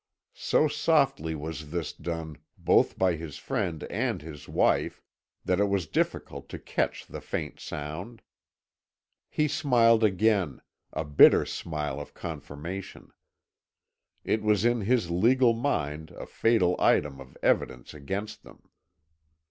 So softly was this done both by his friend and his wife that it was difficult to catch the faint sound. He smiled again a bitter smile of confirmation. It was in his legal mind a fatal item of evidence against them.